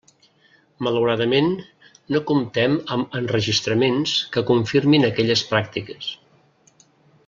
Malauradament, no comptem amb enregistraments que confirmin aquelles pràctiques.